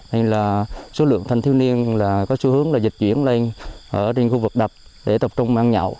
nên là số lượng thanh thiếu niên là có xu hướng là dịch chuyển lên ở trên khu vực đập để tập trung ăn nhậu